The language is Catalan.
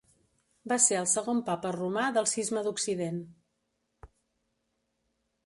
Va ser el segon Papa romà del Cisma d'Occident.